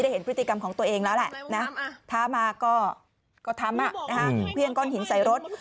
เห็นพฤติกรรมของตัวเองแล้วแหละนะท้ามาก็ทำเครื่องก้อนหินใส่รถ